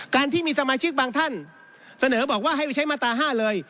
การที่มีสมาชิกบางท่านเสนอบอกว่าให้ไปใช้มาตรา๕เลย